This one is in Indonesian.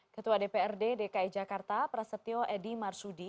ketua dprd dki jakarta prasetyo edi marsudi